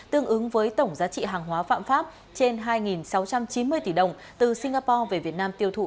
tương ứng với tổng giá trị hàng hóa phạm pháp trên hai sáu trăm chín mươi tỷ đồng từ singapore về việt nam tiêu thụ